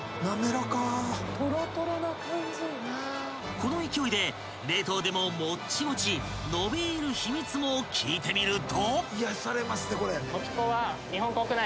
［この勢いで冷凍でももっちもち伸びーる秘密も聞いてみると］